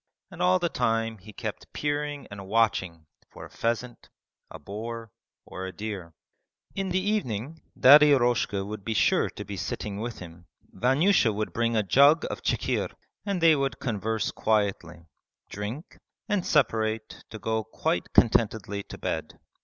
And all the time he kept peering and watching for a pheasant, a boar, or a deer. In the evening Daddy Eroshka would be sure to be sitting with him. Vanyusha would bring a jug of chikhir, and they would converse quietly, drink, and separate to go quite contentedly to bed.